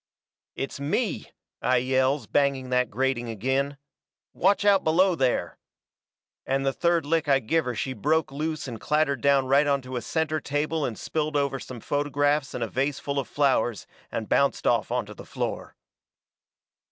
"It's me," I yells, banging that grating agin. "Watch out below there!" And the third lick I give her she broke loose and clattered down right onto a centre table and spilled over some photographs and a vase full of flowers, and bounced off onto the floor.